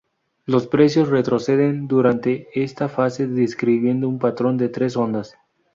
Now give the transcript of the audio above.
Los precios retroceden durante esta fase describiendo un patrón de tres ondas.